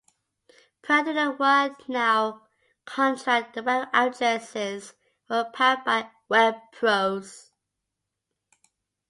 Prior to the World Now contract, the web addresses were powered by Web Pros.